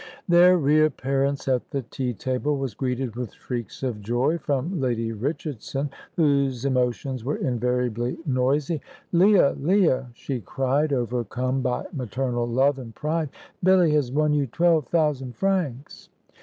Their reappearance at the tea table was greeted with shrieks of joy from Lady Richardson, whose emotions were invariably noisy. "Leah! Leah!" she cried, overcome by maternal love and pride, "Billy has won you twelve thousand francs."